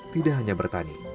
tidak hanya bertani